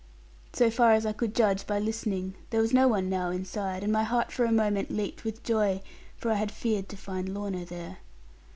So far as I could judge by listening, there was no one now inside, and my heart for a moment leaped with joy, for I had feared to find Lorna there.